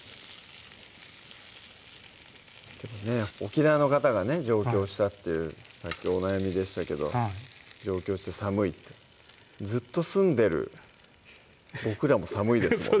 沖縄の方がね上京したっていうさっきお悩みでしたけど上京して寒いってずっと住んでる僕らも寒いですもんね